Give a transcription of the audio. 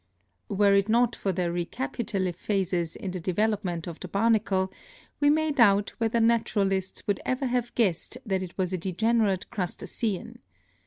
.Were it not for the recapitulative phases in the develop ADAPTATION 277 ment of the Barnacle, we may doubt whether naturalists would ever have guessed that it was a degenerate Crusta cean.